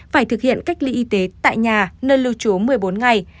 phải thực hiện cách ly y tế tại nhà nơi lưu trú một mươi bốn ngày